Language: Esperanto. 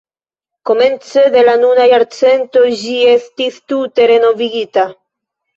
Komence de la nuna jarcento ĝi estis tute renovigita.